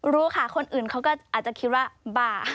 รู้ค่ะคนอื่นเขาก็อาจจะคิดว่าบ่า